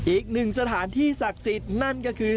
อีกหนึ่งสถานที่ศักดิ์สิทธิ์นั่นก็คือ